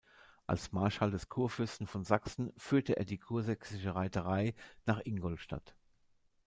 Als Marschall des Kurfürsten von Sachsen führte er die kursächsische Reiterei nach Ingolstadt.